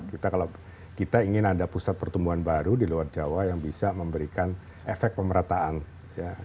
kita kalau kita ingin ada pusat pertumbuhan baru di luar jawa yang bisa memberikan efek pemerataan ya